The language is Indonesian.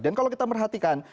dan kalau kita merahasiakan